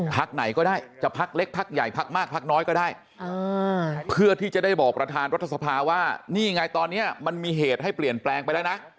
ไหนก็ได้จะพักเล็กพักใหญ่พักมากพักน้อยก็ได้เพื่อที่จะได้บอกประธานรัฐสภาว่านี่ไงตอนนี้มันมีเหตุให้เปลี่ยนแปลงไปแล้วนะ